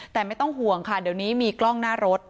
แต่ไม่ต้องห่วงค่ะเดี๋ยวนี้มีกล้องหน้ารถ